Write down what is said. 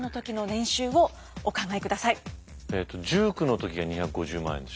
えと１９の時が２５０万円でしょ？